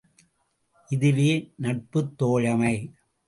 இதுவே நட்புத் தோழமை!